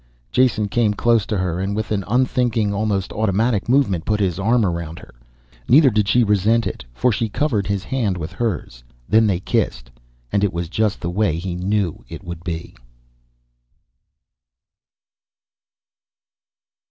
Jason came close to her and with an unthinking, almost automatic movement, put his arm around her. Neither did she resent it, for she covered his hand with hers. Then they kissed and it was just the way he knew it would be.